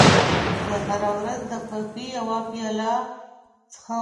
زه هره ورځ د کافي یوه پیاله څښم.